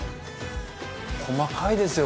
細かいですよ